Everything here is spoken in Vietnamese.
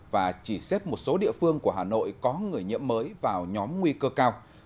và chỉ xếp một số địa phương của hà nội có người nhiễm mới vào nhóm nguy cơ cao